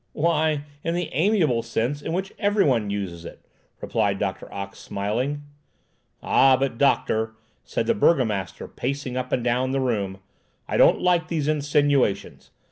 "Why, in the amiable sense in which everybody uses it," replied Doctor Ox, smiling. "Ah, but doctor," said the burgomaster, pacing up and down the room, "I don't like these insinuations.